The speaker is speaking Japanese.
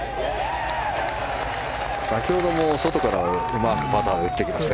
先ほども外から、うまくパターで打っていきました。